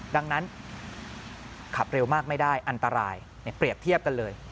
ดังนั้นขับเร็วมากไม่ได้อันตรายเปรียบเทียบกันเลย